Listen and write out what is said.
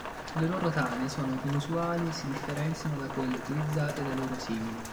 Le loro tane sono inusuali e si differenziano da quelle utilizzate dai loro simili.